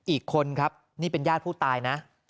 อีกคนครับนี่เป็นญาติผู้ตายนะ